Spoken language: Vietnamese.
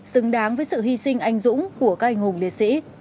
xứng đáng với sự hy sinh anh dũng của cây hùng liệt sĩ